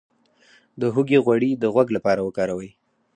د هوږې غوړي د غوږ لپاره وکاروئ